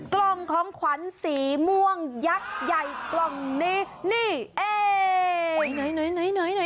กล่องของขวัญสีม่วงยักษ์ใหญ่กล่องนี้นี่เอง